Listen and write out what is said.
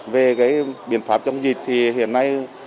về biện pháp trong dịch thì hiện nay